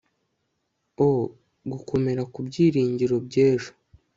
oh ... gukomera ku byiringiro by'ejo ..